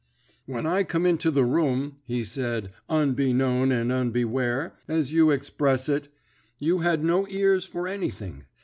"'When I come into the room,' he said, 'unbeknown and unbeware, as you egspress it, you had no ears for anything.